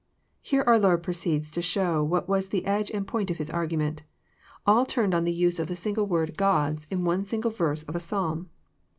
"] Here our Lord proceeds to show what was the edge and point of His argument. All turned on the use of the single word "gods" in one single verse of a Psalm.